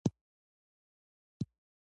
پښتونولي د ژوند لاره ده.